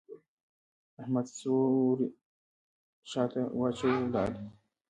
احمد څوری شا ته واچاوو؛ ولاړ.